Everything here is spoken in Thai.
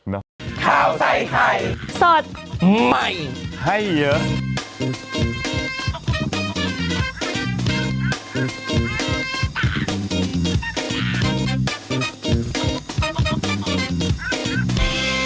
นับ